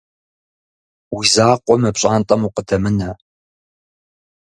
Уи закъуэ мы пщӀантӀэм укъыдэмынэ.